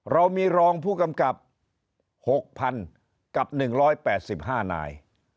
เรามีรองผู้กำกับ๖๐๐๐กับ๑๘๕นาย